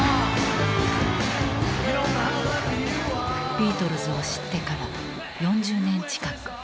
ビートルズを知ってから４０年近く。